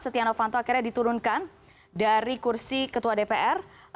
setia novanto akhirnya diturunkan dari kursi ketua dpr